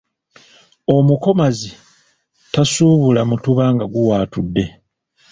Omukomazi tasuubula mutuba nga guwaatudde.